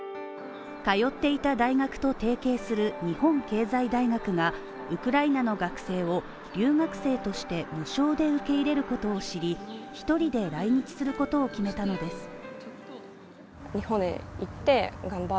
通っていた大学と提携する日本経済大学がウクライナの学生を留学生として無償で受け入れることを知り一人で来日することを決めたのです。